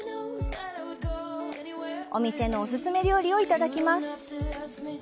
お店のお勧め料理をいただきます。